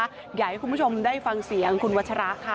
อยากให้คุณผู้ชมได้ฟังเสียงคุณวัชระค่ะ